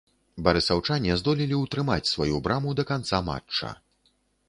Барысаўчане здолелі ўтрымаць сваю браму да канца матча.